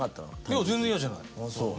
いや全然嫌じゃない。